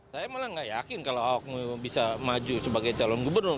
saya malah nggak yakin kalau ahok bisa maju sebagai calon gubernur